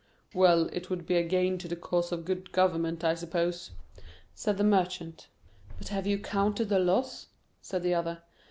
"Well, it would be a gain to the cause of good government, I suppose," said the Merchant. "But have you counted the loss?" said the other.